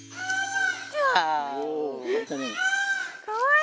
かわいい。